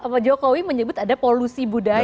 pak jokowi menyebut ada polusi budaya